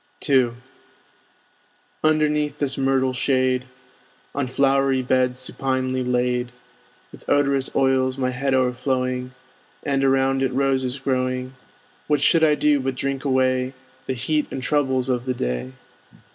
II Underneath this myrtle shade, On flowery beds supinely laid, With odorous oils my head o'erflowing, And around it roses growing, What should I do but drink away The heat and troubles of the day?